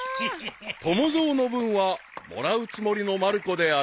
［友蔵の分はもらうつもりのまる子である］